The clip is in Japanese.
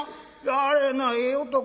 あれなええ男やで。